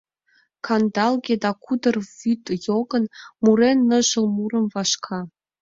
Кандалге да кудыр вӱд йогын, Мурен ныжыл мурым, вашка.